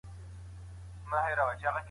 څانګوال یوازې سند ته کتل کیږي.